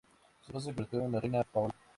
Su esposa se convirtió en la reina Paola.